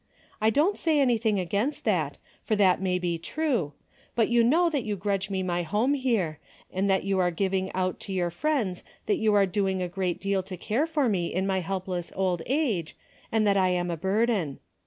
I don't say anything against that, for that may be true, but you know that you grudge me my home here, and that you are giving out . to your friends that you are doing a great deal to care for me in my helpless old age, and that I am a burden.